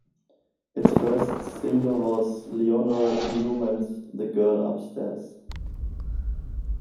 Its first single was Lionel Newman's The Girl Upstairs.